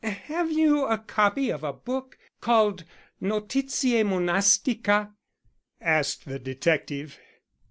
"Have you a copy of a book called Notitiæ Monastica?" asked the detective.